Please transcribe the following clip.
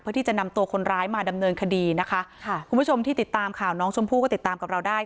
ที่จะนำตัวคนร้ายมาดำเนินคดีนะคะค่ะคุณผู้ชมที่ติดตามข่าวน้องชมพู่ก็ติดตามกับเราได้